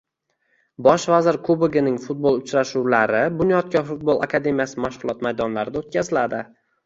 Bosh vazir kubogining futbol uchrashuvlari Bunyodkor futbol akademiyasi mashg'ulot maydonlarida o'tkaziladi.